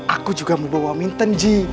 aku juga mau bawa minta ji